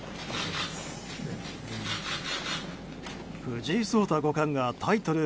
藤井聡太五冠がタイトル